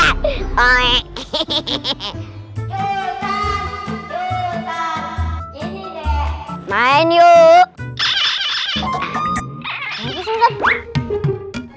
gimana ini sultan